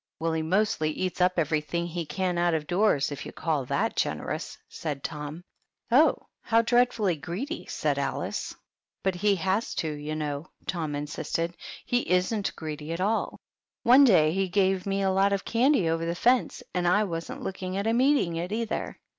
" Well, he mostly eats up everything he can out of doors, if you call that generous," said Tom " Oh, how dreadfully greedy !" said Alice. PEOQT THE PIG. " But he has to, you know," Tom insisted ;" he irni't greedy at all. One day he gave me a lot of candy over the fence, and I wasn't looking at him eating it, either."